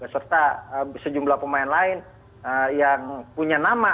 serta sejumlah pemain lain yang punya nama